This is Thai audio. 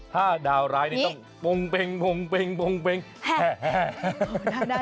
ถ้าดาวร้ายต้องโมงเป็งโมงเป็งโมงเป็งแห่